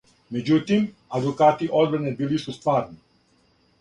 Међутим, адвокати одбране били су стварни.